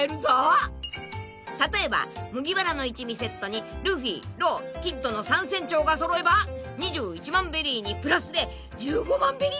［例えば麦わらの一味セットにルフィローキッドの三船長！が揃えば２１万ベリーにプラスで１５万ベリーももらえるんだ］